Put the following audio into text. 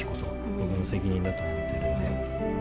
僕の責任だと思ってるんで。